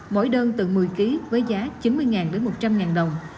mỗi đơn từ một mươi kg với giá chín mươi đến một trăm linh đồng